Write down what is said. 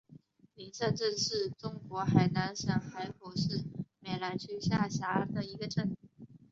灵山镇是中国海南省海口市美兰区下辖的一个镇。